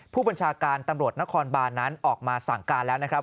ผู้บัญชาการตำรวจนครบานนั้นออกมาสั่งการแล้วนะครับ